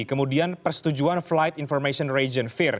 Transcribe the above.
kemudian persetujuan flight information region fear